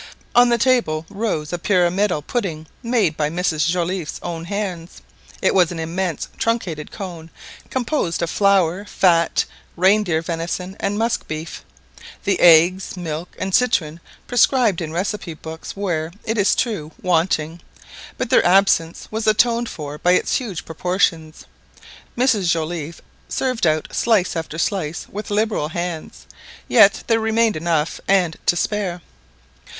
On the table rose a pyramidal pudding made by Mrs Joliffe's own hands; it was an immense truncated cone, composed of flour, fat, rein deer venison, and musk beef. The eggs, milk, and citron prescribed in recipe books were, it is true, wanting, but their absence was atoned for by its huge proportions. Mrs Joliffe served out slice after slice with liberal hands, yet there remained enough and to spare.